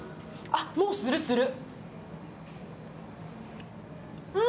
あ、もうするする。